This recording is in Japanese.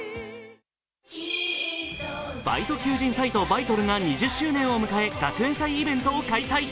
バイト求人サイト・バイトルが２０周年を迎え、学園祭イベントを開催。